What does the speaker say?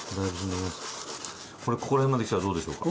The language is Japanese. これここら辺まで来たらどうでしょうか。